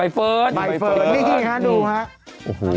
นี้เป็นไงดูครับ